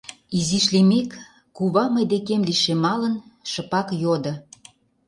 Изиш лиймек, кува, мый декем лишемалын, шыпак йодо: